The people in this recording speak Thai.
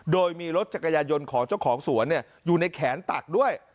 โดยมีรถจักรยายนต์ของเจ้าของสวนอยู่ในแขนตักด้วย